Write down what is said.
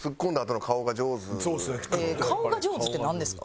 「顔が上手」ってなんですか？